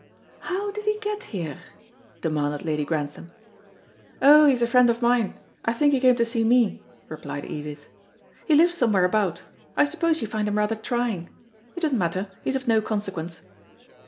"How did he get here?" demanded Lady Grantham. "Oh, he's a friend of mine. I think he came to see me," replied Edith. "He lives somewhere about. I suppose you find him rather trying. It doesn't matter; he's of no consequence."